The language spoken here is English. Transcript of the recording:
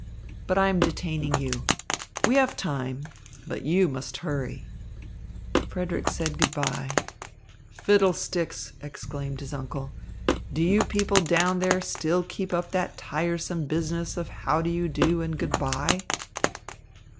But I am detaining you. We have time, but you must hurry." Frederick said good bye. "Fiddlesticks!" exclaimed his uncle. "Do you people down there still keep up that tiresome business of 'how do you do' and 'good bye'?"